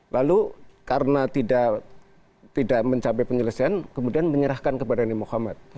lalu karena tidak mencapai penyelesaian kemudian menyerahkan kepada nani muhammad